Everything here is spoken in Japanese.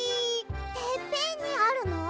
てっぺんにあるの？